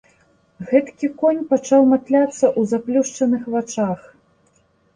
Гэткі конь пачаў матляцца ў заплюшчаных вачах.